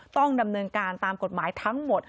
ต้องดำเนินการตามกฎหมายทั้งหมด